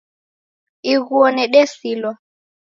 Ighuo nedesilwa